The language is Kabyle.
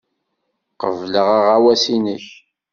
Qebleɣ aɣawas-nnek.